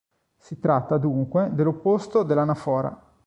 Si tratta, dunque, dell'opposto dell'anafora.